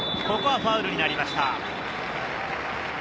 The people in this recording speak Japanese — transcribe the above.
ここはファウルになりました。